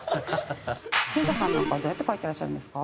常田さんなんかはどうやって書いてらっしゃるんですか？